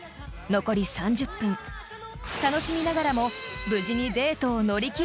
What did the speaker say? ［残り３０分楽しみながらも無事にデートを乗り切れるのでしょうか？］